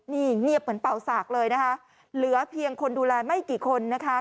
นี่เงียบเหมือนเป่าสากเลยนะคะเหลือเพียงคนดูแลไม่กี่คนนะคะ